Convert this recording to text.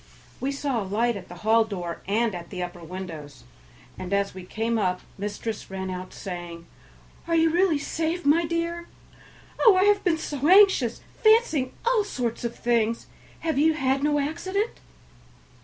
We saw a light at the hall door and at the upper windows, and as we came up mistress ran out, saying, "Are you really safe, my dear? Oh! I have been so anxious, fancying all sorts of things. Have you had no accident?"